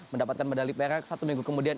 mendapatkan medali perak satu minggu kemudian